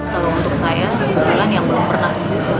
kalau untuk saya sebuah perjalanan yang belum pernah